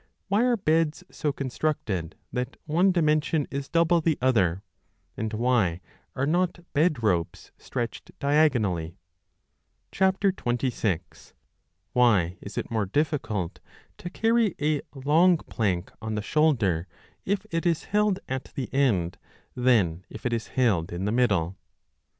Why are beds so constructed that one dimension is double the other, and why are not bed ropes stretched diagonally? 26. Why is it more difficult to carry a long plank on the shoulder if it is held at the end than if it is held in the middle?